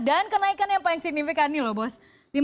dan kenaikannya yang paling signifikan nih loh bos